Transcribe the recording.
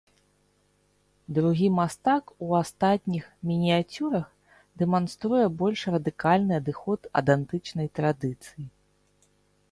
Другі мастак у астатніх мініяцюрах дэманструе больш радыкальны адыход ад антычнай традыцыі.